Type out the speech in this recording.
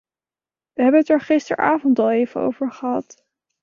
We hebben het er gisteravond al even over gehad.